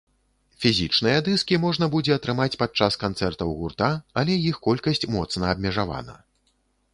Фізічныя дыскі можна будзе атрымаць падчас канцэртаў гурта, але іх колькасць моцна абмежавана.